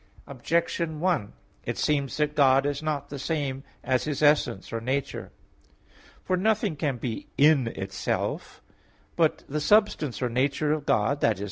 Objection 1: It seems that God is not the same as His essence or nature. For nothing can be in itself. But the substance or nature of God i.e.